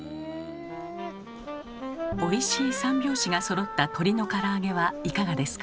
おいしい三拍子がそろった鶏のから揚げはいかがですか？